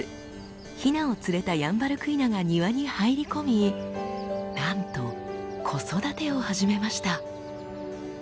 ヒナを連れたヤンバルクイナが庭に入り込みなんと子育てを始めました。